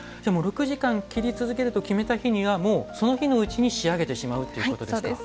６時間、切り続けると決めた日には、その日のうちに仕上げてしまうということですね。